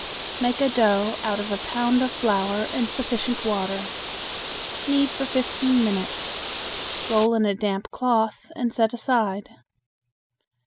Make a dough out of a pound of flour and sufficient water. Knead for fifteen minutes. Roll in a damp cloth and set aside.